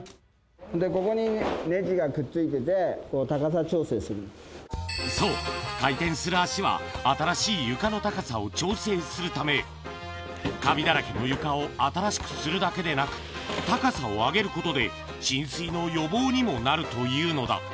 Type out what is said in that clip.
それでここに、ねじがくっついてて、そう、回転する脚は、新しい床の高さを調整するため、カビだらけの床を新しくするだけでなく、高さを上げることで浸水の予防にもなるというのだ。